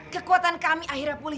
kekuatan kami akhirnya berakhir